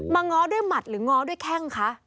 ง้อด้วยหมัดหรือง้อด้วยแข้งคะ